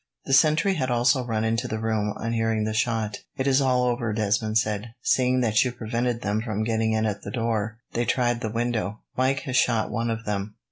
The sentry had also run into the room, on hearing the shot. "It is all over," Desmond said. "Seeing that you prevented them from getting in at the door, they tried the window. Mike has shot one of them."